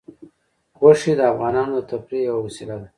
غوښې د افغانانو د تفریح یوه وسیله ده.